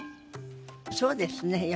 そうですね。